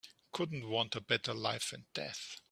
Couldn't want a better life and death.